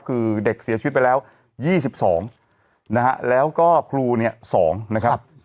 คือเด็กเสียชีวิตไปแล้วยี่สิบสองนะฮะแล้วก็ครูเนี่ยสองนะครับ